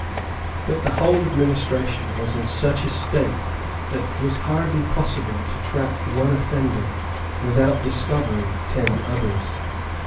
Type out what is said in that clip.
But the whole administration was in such a state that it was hardly possible to track one offender without discovering ten others.